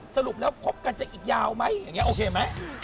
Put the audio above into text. สรุปแล้วคบกันจะอีกยาวไหมอย่างนี้โอเคไหม